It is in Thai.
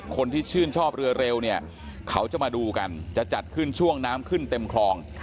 คนที่ชื่นชอบเรือเร็วเนี่ยเขาจะมาดูกันจะจัดขึ้นช่วงน้ำขึ้นเต็มคลอง